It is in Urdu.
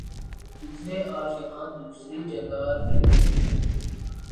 دوسرے آج یہاں دوسری جگہ رہتے ہیں